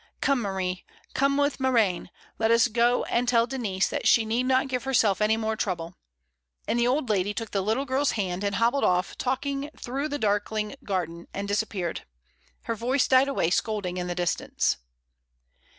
Come, Marie, come with marratne, let us go and tell Denise that she need not give herself any more trouble;" and the old lady took the little girl's hand, and hobbled off talking through the darkling garden, and disap peared. Her voice died away scolding in the dis tance.